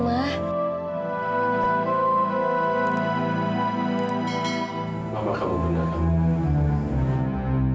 mama kamu benar kan